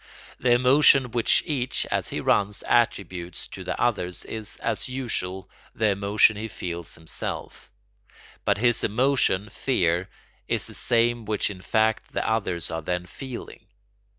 The emotion which each, as he runs, attributes to the others is, as usual, the emotion he feels himself; but this emotion, fear, is the same which in fact the others are then feeling.